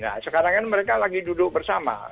nah sekarang kan mereka lagi duduk bersama